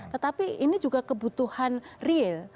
tetapi ini juga kebutuhan real